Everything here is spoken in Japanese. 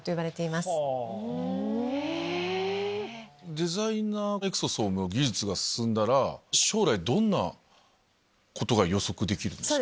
デザイナーエクソソームの技術が進んだら将来どんなことが予測できるんですか？